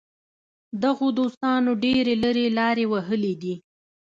دغو دوستانو ډېرې لرې لارې وهلې دي.